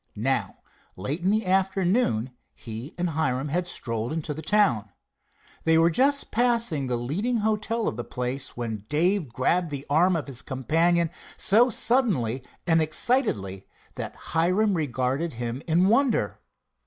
Now, late in the afternoon, he and Hiram had strolled into the town. They were just passing the leading hotel of the place, when Dave grabbed the arm of his companion so suddenly and excitedly that Hiram regarded him in wonder.